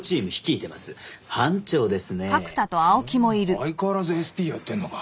相変わらずＳＰやってんのか。